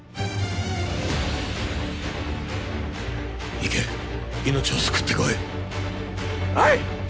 行け命を救ってこいはい！